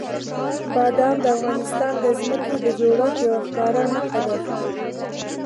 بادام د افغانستان د ځمکې د جوړښت یوه ښکاره نښه ده.